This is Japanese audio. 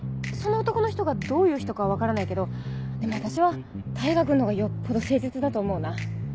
その男の人がどういう人かは分からないけどでも私は大牙君のほうがよっぽど誠実だと思うな。